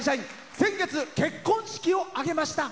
先月、結婚式を挙げました。